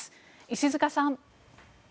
石塚さん。